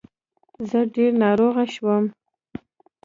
زه ډير ناروغه شوم